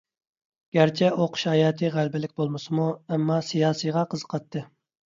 گەرچە ئوقۇش ھاياتى غەلىبىلىك بولمىسىمۇ، ئەمما سىياسىيغا قىزىقاتتى.